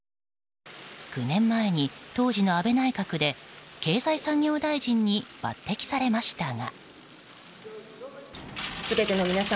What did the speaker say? ９年前に当時の安倍内閣で経済産業大臣に抜擢されましたが。